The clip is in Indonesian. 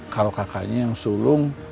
kalau kakaknya yang sulung